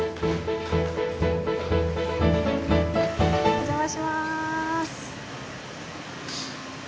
お邪魔します。